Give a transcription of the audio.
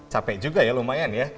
capek juga ya lumayan ya